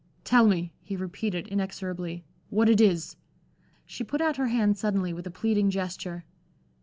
"Tell me," he repeated, inexorably, "what it is." She put out her hand suddenly with a pleading gesture.